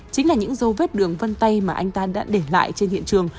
chính là những dấu vết đường vân tay mà anh tan đã để lại trên hiện trường